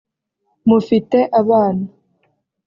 Mufite abana